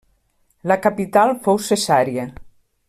La capital fou Cesarea.